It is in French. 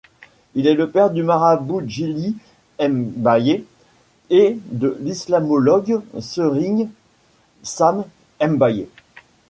Il est le père du marabout Djily Mbaye et de l'islamologue Serigne Sam Mbaye.